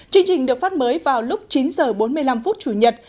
chương trình được phát mới vào lúc chín h bốn mươi năm chủ nhật